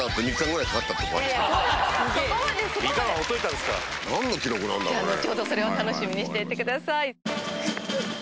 後ほどそれは楽しみにしていてください。